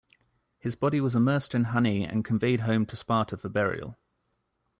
His body was immersed in honey and conveyed home to Sparta for burial.